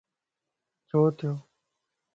ڇو ٿيو